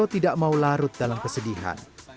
tidak mau larut dalam kesedihan